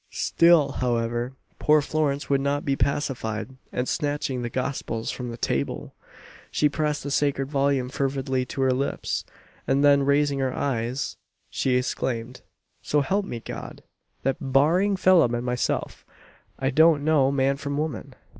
Still, however, poor Florence would not be pacified; and snatching the Gospels from the table, she pressed the sacred volume fervidly to her lips, and then raising her eyes, she exclaimed "So help me God! that, barring Phelim and myself, I don't know man from woman."